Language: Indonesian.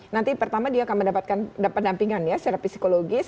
nanti pertama dia akan mendapatkan pendampingan ya secara psikologis